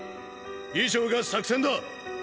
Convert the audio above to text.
以上が作戦だ！！